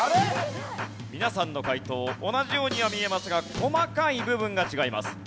皆さんの解答同じようには見えますが細かい部分が違います。